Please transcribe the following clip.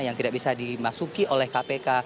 yang tidak bisa dimasuki oleh kpk